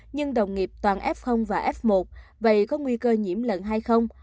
nhưng đồng nghiệp toàn f và f một vậy có nguy cơ nhiễm lần hai không